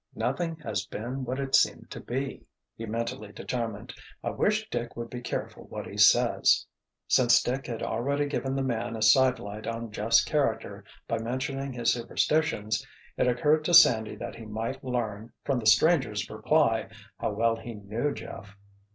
"Nothing has been what it seemed to be," he mentally determined. "I wish Dick would be careful what he says." Since Dick had already given the man a sidelight on Jeff's character by mentioning his superstitions, it occurred to Sandy that he might learn, from the stranger's reply, how well he knew Jeff.